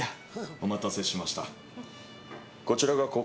お待たせしました。